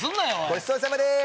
ごちそうさまです。